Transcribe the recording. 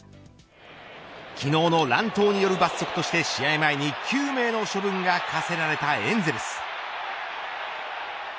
昨日の乱闘による罰則として試合前に９名の処分が科せられたエンゼルス。